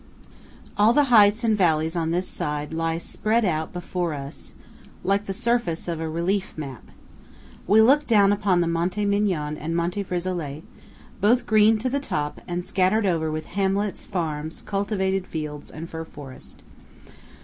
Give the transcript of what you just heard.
25 All the heights and valleys on this side lie spread out before us, like the surface of a relief map. We look down upon Monte Migion and Monte Frisolet–both green to the top, and scattered over with hamlets, farms, cultivated fields, and fir forests.